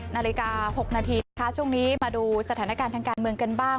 นาฬิกา๖นาทีนะคะช่วงนี้มาดูสถานการณ์ทางการเมืองกันบ้าง